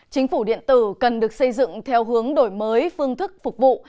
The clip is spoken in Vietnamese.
chính phủ điện tử cần được xây dựng theo hướng đổi mới phương thức phục vụ